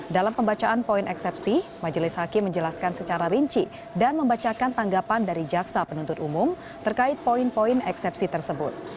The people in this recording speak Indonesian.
dalam pembacaan poin eksepsi majelis hakim menjelaskan secara rinci dan membacakan tanggapan dari jaksa penuntut umum terkait poin poin eksepsi tersebut